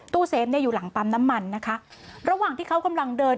เฟฟเนี่ยอยู่หลังปั๊มน้ำมันนะคะระหว่างที่เขากำลังเดิน